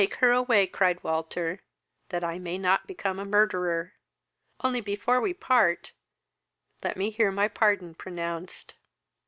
"Take her away, (cried Walter,) that I may not become a murderer; only before we part, let me hear my pardon pronounced."